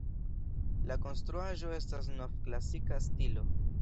La konstruaĵo estas novklasika stilo.